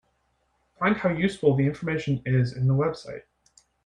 Find how useful the information is in the website.